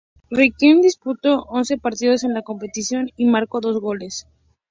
Riquelme disputó once partidos en la competición y marcó dos goles.